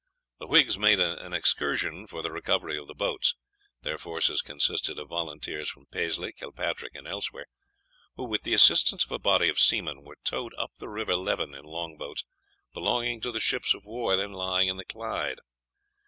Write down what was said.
The whigs made an excursion for the recovery of the boats. Their forces consisted of volunteers from Paisley, Kilpatrick, and elsewhere, who, with the assistance of a body of seamen, were towed up the river Leven in long boats belonging to the ships of war then lying in the Clyde.